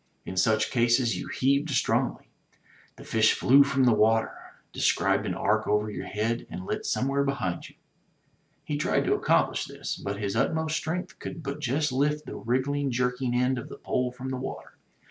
In such cases you heaved strongly. The fish flew from the water, described an arc over your head, and lit somewhere behind you. He tried to accomplish this, but his utmost strength could but just lift the wriggling, jerking end of the pole from the water.